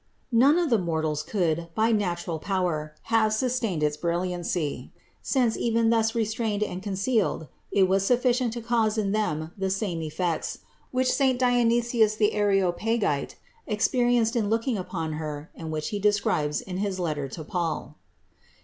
None of the mortals could, by natural power, have sustained its brilliancy; since, even thus 138 CITY OF GOD restrained and concealed, it was sufficient to cause in them the same effects, which saint Dionysius the Areop agite experienced in looking upon Her and which he describes in his letter to Paul.